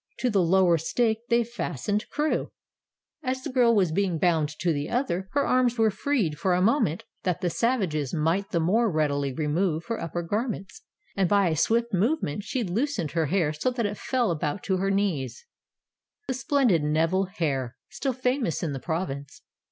To the lower stake they fastened Crewe. As the girl was being bound to the other, her arms were freed for a moment that the savages might the more readily remove her upper garments, and by a swift movement she loosened her hair so that it fell about her to her knees, the splendid Neville hair, still famous in the Province.